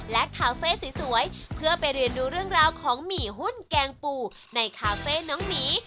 และคาเฟ่สวยเพื่อไปเรียนดูเรื่องราวของหมี่หุ้นแกงปูในคาเฟ่น้องหมี